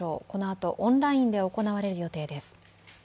このあとオンラインで行われる予定です。